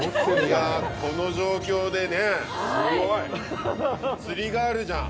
いや、この状況でね釣りガールじゃん。